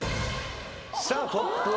さあトップは。